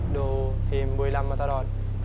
ดูทีมบุรีรำมาตลอด